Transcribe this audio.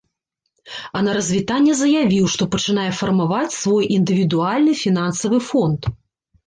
А на развітанне заявіў, што пачынае фармаваць свой індывідуальны фінансавы фонд.